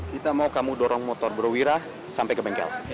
kita mau kamu dorong motor berwira sampai ke bengkel